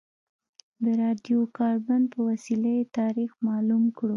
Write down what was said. د راډیو کاربن په وسیله یې تاریخ معلوم کړو.